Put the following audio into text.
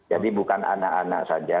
jadi bukan anak anak saja